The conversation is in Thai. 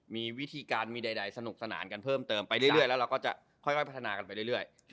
มีวิธีการมีใดสนุกสนานกันเพิ่มเติมไปเรื่อยแล้วเราก็จะค่อยพัฒนากันไปเรื่อย